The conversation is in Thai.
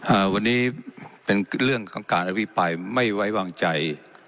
อ่าวันนี้เป็นเรื่องของการอภิปรายไม่ไว้วางใจ